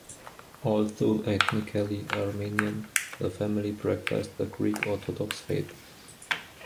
Although ethnically Armenian, the family practised the Greek Orthodox faith.